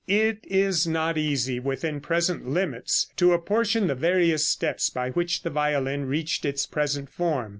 ] It is not easy within present limits to apportion the various steps by which the violin reached its present form.